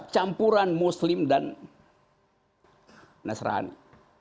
campuran muslim dan nasrani